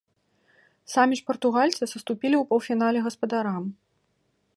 Самі ж партугальцы саступілі ў паўфінале гаспадарам.